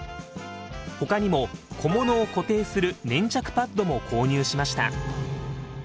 ほかにも小物を固定する粘着パッドも購入しました。